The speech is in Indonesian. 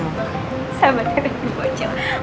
sahabatnya dari bocil